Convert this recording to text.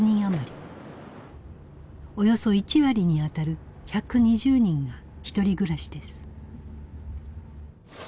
およそ１割に当たる１２０人がひとり暮らしです。